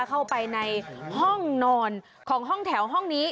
เข้าไปในห้องนอนของห้องแถวห้องนี้